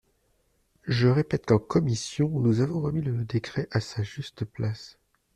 Je répète qu’en commission, nous avons remis le décret à sa juste place.